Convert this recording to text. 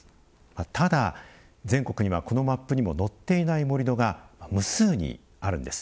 ただ全国には、このマップにも載っていない盛土が無数にあるんです。